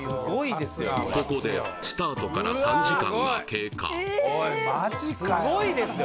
ここでスタートから３時間が経過おいマジかよ